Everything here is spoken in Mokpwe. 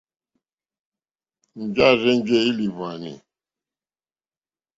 Njɛ̂ à rzênjé ìlìhwòànì.